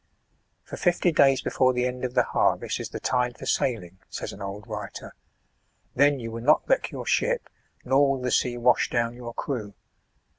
" For fifty days before the end of the harvest is the tide for sailing/' says an old writer <" then you will not wreck your ship, nor will the sea wash down your crew.